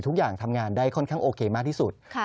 ทุกอย่างทำงานได้ค่อนข้างโอเคมากที่สุด